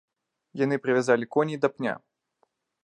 Яны прывязалі коней да пня.